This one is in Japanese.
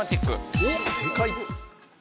おっ正解。